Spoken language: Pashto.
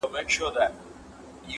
نه دعا نه په جومات کي خیراتونو!